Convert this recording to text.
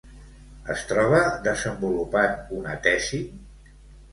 Es troba desenvolupant una tesi?